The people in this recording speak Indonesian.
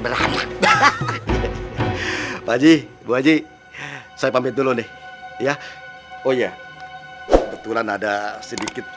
beranak hahaha pak haji bu haji saya pamit dulu nih ya oh ya kebetulan ada sedikit